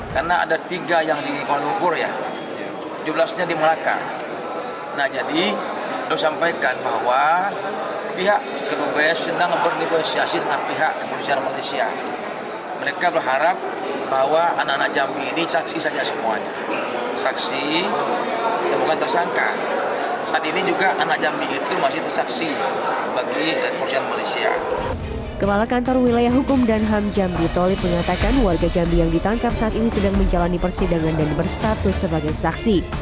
kepala kantor wilayah hukum dan ham jambi tolib mengatakan warga jambi yang ditangkap saat ini sedang menjalani persidangan dan berstatus sebagai saksi